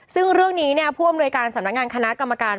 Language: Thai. ซึ่งเรื่องนี้ผู้อำนวยการสำนักงานคณะกรรมการ